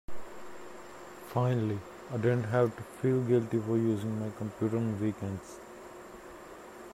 Finally I didn't have to feel guilty for using my computer on weekends.